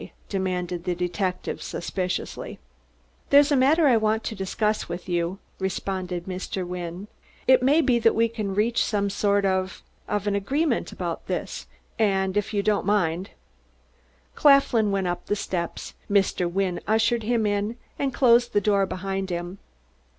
demanded the detective suspiciously. "There's a matter I want to discuss with you," responded Mr. Wynne. "It may be that we can reach some sort of of an agreement about this, and if you don't mind " Claflin went up the steps, Mr. Wynne ushered him in and closed the door behind him.